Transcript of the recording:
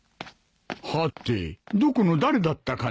はてどこの誰だったかな？